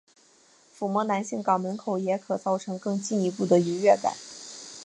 抚触男性肛门口也可造成更进一步的愉悦感。